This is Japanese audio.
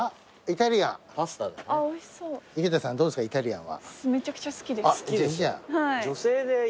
イタリアン。